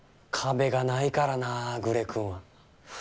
壁がないからなぐれくんは。